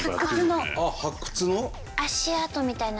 あっ発掘の？